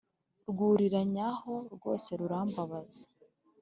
Rwuriranyaho rwose rurambaza,